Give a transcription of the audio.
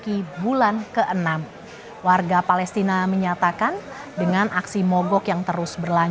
ini yang saya beli